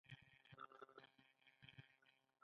آیا ایران د معدني اوبو چینې نلري؟